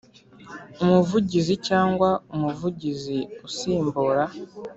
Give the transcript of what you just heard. Umuvugizi cyangwa Umuvugizi usimbura